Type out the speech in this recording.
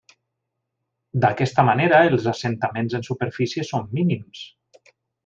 D'aquesta manera, els assentaments en superfície són mínims.